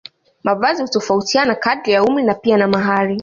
Mavazi hutofautiana kadiri ya umri na pia na mahali